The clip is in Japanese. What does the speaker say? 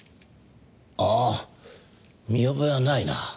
ああ見覚えはないな。